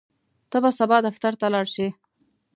ته به سبا دفتر ته لاړ شې؟